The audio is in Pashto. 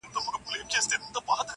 چي هر ځای به یو قاتل وو دی یې یار وو-